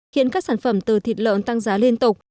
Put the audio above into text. hiện các sản phẩm từ thịt lợn tăng giá liên tục